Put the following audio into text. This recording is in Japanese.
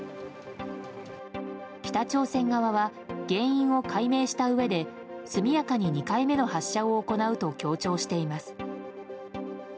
北朝鮮側は原因を解明したうえで速やかに２回目の発射を行うと強調しています。